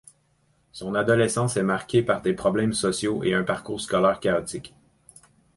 Son adolescence est marquée par des problèmes sociaux et un parcours scolaire chaotique.